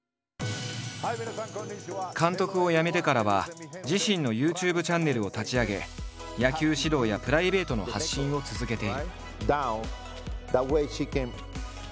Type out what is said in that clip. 監督を辞めてからは自身のＹｏｕＴｕｂｅチャンネルを立ち上げ野球指導やプライベートの発信を続けている。